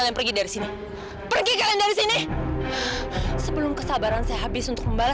sampai jumpa di video selanjutnya